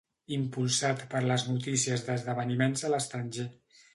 Impulsat per les notícies d'esdeveniments a l'estranger.